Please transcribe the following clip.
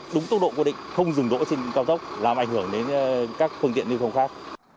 đúng tốc độ quy định không dừng đỗ trên cao tốc làm ảnh hưởng đến các phương tiện di chuyển thông phát